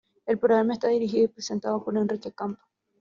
El programa está dirigido y presentado por Enrique Campo.